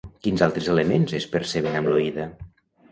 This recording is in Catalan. Quins altres elements es perceben amb l'oïda?